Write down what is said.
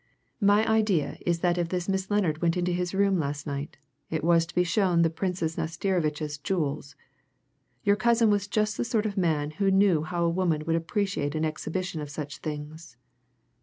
My idea is that if this Miss Lennard went into his room last night it was to be shown the Princess Nastirsevitch's jewels. Your cousin was just the sort of man who knew how a woman would appreciate an exhibition of such things.